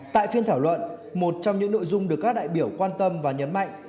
tại phiên thảo luận một trong những nội dung được các đại biểu quan tâm và nhấn mạnh